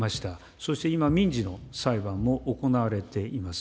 そして今、民事の裁判も行われています。